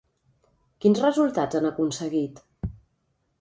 Quins resultats han aconseguit?